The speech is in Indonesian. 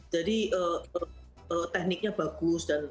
jadi tekniknya bagus